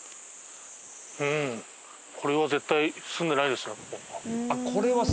これは絶対住んでないですよ。